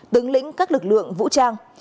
tướng lĩnh các lực lượng vũ trang